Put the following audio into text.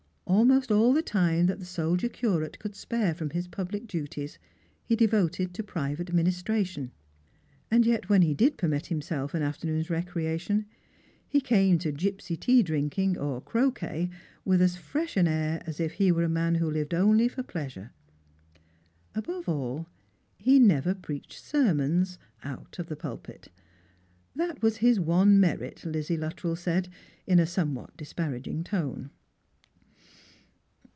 Almost all the time that the soldier curate could spare from his public duties he devoted to private ministration. And yet when he did permit himself an after noon's recreation, he came to gipsy tea drinking or croquet with as fresh an air as if he were a man who lived only for pleasure. Above all, he never preached sermons — out of the pulpit. That was his one merit, Lizzie Luttrell said, in a some what disparaging tone.